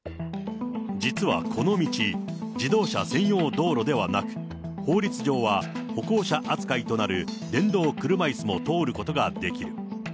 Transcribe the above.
実はこの道、自動車専用道路ではなく、法律上は歩行者扱いとなる電動車いすも通ることができる。